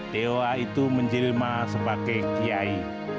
dewa itu menjelma sebagai kiai